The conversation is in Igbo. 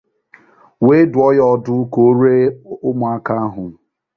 wee dụọ ya ọdụ ka o ree ụmụaka ahụ